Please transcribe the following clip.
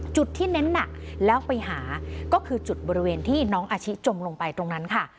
จุดที่เน้นหนักแล้วไปหาก็คือจุดบริเวณที่น้องอาชิจมลงไปตรงนั้นค่ะ